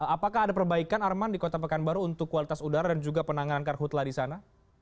apakah ada perbaikan arman di kota pekanbaru untuk kualitas udara dan juga penanganan karhutlah di sana